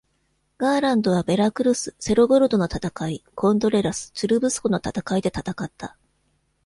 ガーランドはベラクルス、セロゴルドの戦い、コントレラス、チュルブスコの戦いで戦った。